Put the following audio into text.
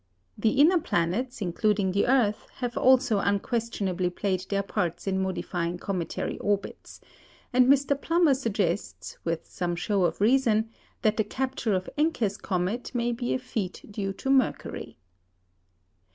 The inner planets, including the earth, have also unquestionably played their parts in modifying cometary orbits; and Mr. Plummer suggests, with some show of reason, that the capture of Encke's comet may be a feat due to Mercury.